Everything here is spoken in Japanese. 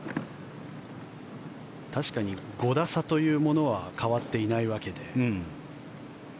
確かに５打差というものは変わっていないわけで。